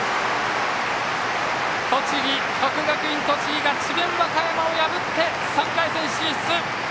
国学院栃木が智弁和歌山を破って３回戦進出！